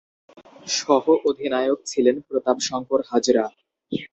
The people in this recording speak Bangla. সহঃ অধিনায়ক ছিলেন প্রতাপ শঙ্কর হাজরা।